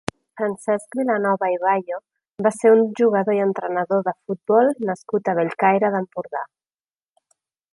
Francesc Vilanova i Bayo va ser un jugador i entrenador de futbol nascut a Bellcaire d'Empordà.